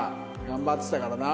頑張ってたからな。